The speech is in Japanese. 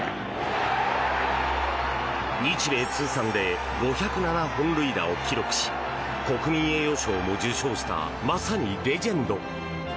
日米通算で５０７本塁打を記録し国民栄誉賞も受賞したまさにレジェンド。